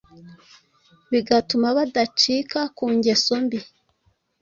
bigatuma badacika ku ngeso mbi